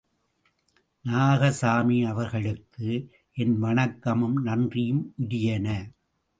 நாகசாமி அவர்களுக்கு, என் வணக்கமும் நன்றியும் உரியன.